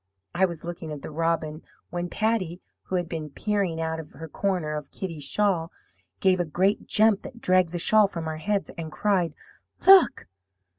I was looking at the robin, when Patty, who had been peering out of her corner of Kitty's shawl, gave a great jump that dragged the shawl from our heads, and cried: "'Look!'